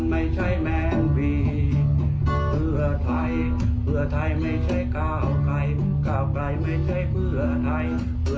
ไม่ใช่เผื่อไทยเผื่อไทยไม่ใช่กล้าไกร